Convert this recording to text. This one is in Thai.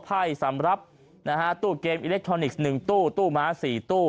ไพ่สำหรับนะฮะตู้เกมอิเล็กทรอนิกส์๑ตู้ตู้ม้า๔ตู้